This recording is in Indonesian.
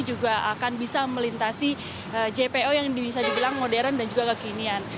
juga akan bisa melintasi jpo yang bisa dibilang modern dan juga kekinian